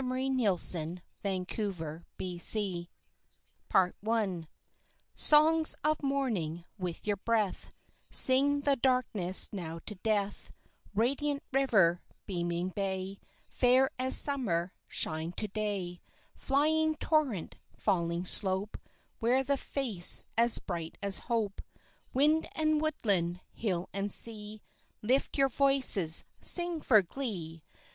Sydney Exhibition Cantata Part I Chorus Songs of morning, with your breath Sing the darkness now to death; Radiant river, beaming bay, Fair as Summer, shine to day; Flying torrent, falling slope, Wear the face as bright as Hope; Wind and woodland, hill and sea, Lift your voices sing for glee!